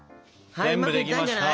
はいうまくいったんじゃない？